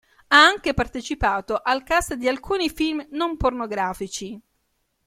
Ha anche partecipato al cast di alcuni film non pornografici.